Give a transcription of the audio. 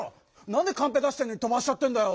なんでカンペ出してんのにとばしちゃってんだよ！